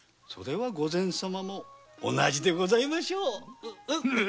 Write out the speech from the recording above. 御前様も同じでございましょう。